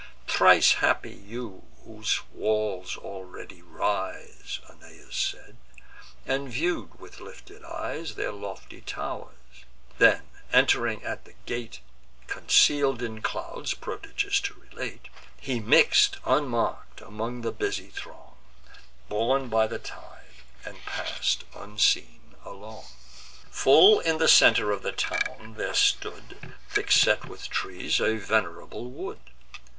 "Thrice happy you, whose walls already rise!" Aeneas said, and view'd, with lifted eyes, Their lofty tow'rs; then, ent'ring at the gate, Conceal'd in clouds (prodigious to relate) He mix'd, unmark'd, among the busy throng, Borne by the tide, and pass'd unseen along. Full in the centre of the town there stood, Thick set with trees, a venerable wood.